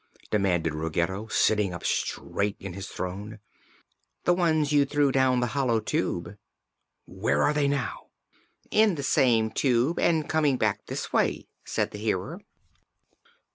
demanded Ruggedo, sitting up straight in his throne. "The ones you threw down the Hollow Tube." "Where are they now?" "In the same Tube, and coming back this way," said the Hearer.